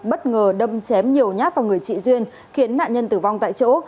bất ngờ đâm chém nhiều nhát vào người chị duyên khiến nạn nhân tử vong tại chỗ